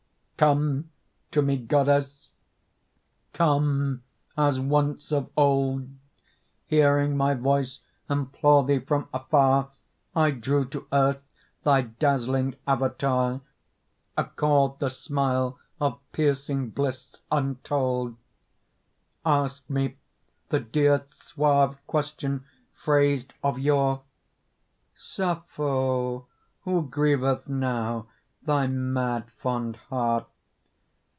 Come to me, Goddess, come as once of old, Hearing my voice implore thee from afar, I drew to earth thy dazzling avatar; Accord the smile of piercing bliss untold. Ask me the dear suave question phrased of yore; "Sappho, who grieveth now thy mad fond heart?